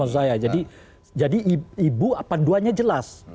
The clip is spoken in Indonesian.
jadi ibu panduannya jelas